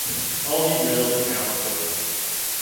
All these mills are now closed.